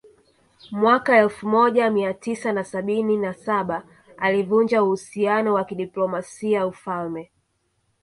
Mwaka elfu moja Mia tisa na sabini na saba alivunja uhusiano wa kidiplomasia Ufalme